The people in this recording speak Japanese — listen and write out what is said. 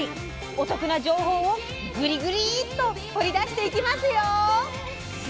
お得な情報を「グリグリ」っと掘り出していきますよ。